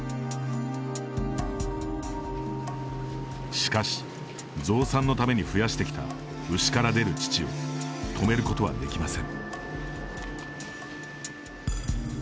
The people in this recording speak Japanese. しかし、増産のために増やしてきた牛から出る乳を止めることはできません。